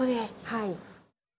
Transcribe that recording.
はい。